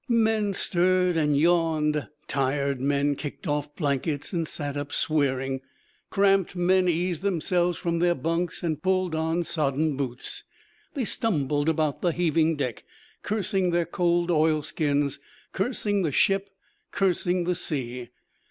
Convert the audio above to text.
Men stirred and yawned. Tired men kicked off blankets and sat up, swearing. Cramped men eased themselves from their bunks, and pulled on sodden boots. They stumbled about the heaving deck, cursing their cold oilskins, cursing the ship, cursing the sea.